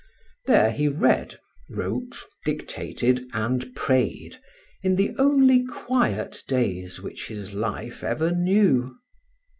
There he read, wrote, dictated, and prayed, in the only quiet days which his life ever knew.